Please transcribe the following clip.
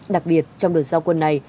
đặc biệt trong đợt giao quân này